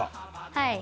「はい。